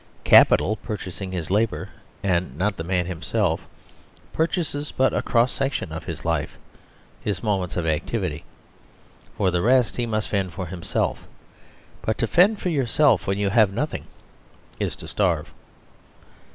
Capital purchasing his labour (and not the man himself) purchases but a cross section of his life, his moments of activity. For the rest, he must fend for himself; but to fend for yourself when you have nothing is to starve.